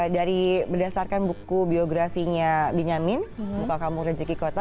dari berdasarkan buku biografinya benyamin muka kamu rezeki kota